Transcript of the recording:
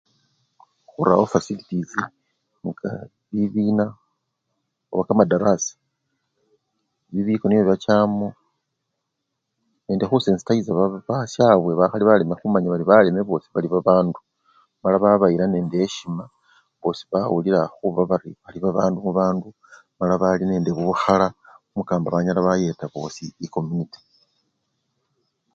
Khurawo fwasilitisi nga bibina oba kamadarasa, bibiko nibyo bachamo nende khusensitayisya basyabe bakhali baleme khumanya bali baleme bosi bali babandu mala babayila nende esyima bosi bawulila khuba bari bali bandu mubandu mala bali nende bukhala kumukamba banyala bayeta bosi ekomuniti.